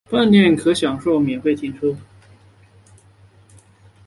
饭店可享免费停车